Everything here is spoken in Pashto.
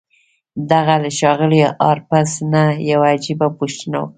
ده له ښاغلي هارپر نه يوه عجيبه پوښتنه وکړه.